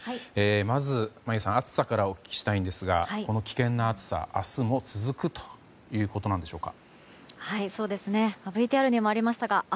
まず、暑さからお聞きしたいんですがこの危険な暑さ明日も続くということなんでしょうか。